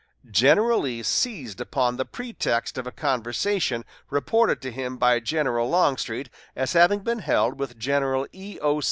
General Lee seized upon the pretext of a conversation reported to him by General Longstreet as having been held with General E.O.